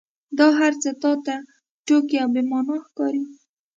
دا هرڅه تا ته ټوکې او بې معنا ښکاري.